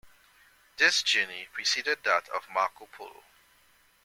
This journey preceded that of Marco Polo.